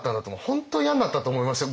本当に嫌になったと思いますよ。